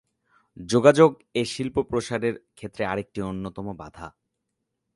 যোগাযোগ এ শিল্প প্রসারের ক্ষেত্রে আরেকটি অন্যতম বাধা।